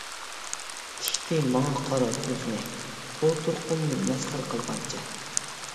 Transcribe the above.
تىكتى ماڭا قارا كۆزىنى، بۇ تۇرقۇمنى مەسخىرە قىلغانچە.